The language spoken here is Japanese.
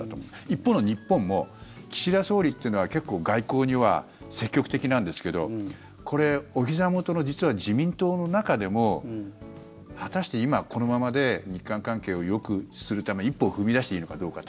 一方の日本も岸田総理っていうのは結構、外交には積極的なんですけどおひざ元の自民党の中でも果たして今このままで日韓関係をよくするために一歩踏み出していいのかどうか。